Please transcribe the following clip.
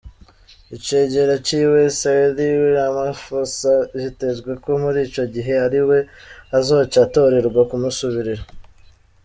Icegera ciwe, Cyril Ramaphosa, vyitezwe ko muri ico gihe ari we azoca atorerwa kumusubirira.